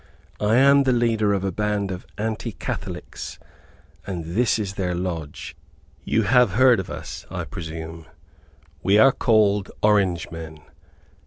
I am the leader of a band of Anti Catholics, and this is their lodge. You have heard of us, I presume; we are called Orange men.